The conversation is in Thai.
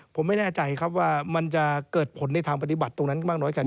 ผมไม่แน่ใจครับว่ามันจะเกิดผลในทางปฏิบัติตรงนั้นมากน้อยกัน